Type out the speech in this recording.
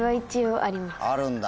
あるんだ。